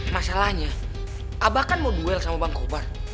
masalahnya abah kan mau duel sama bangkobar